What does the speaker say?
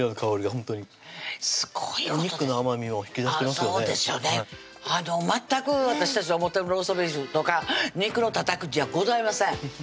そうですよね全く私たちが思ってるローストビーフとか肉のたたきじゃございません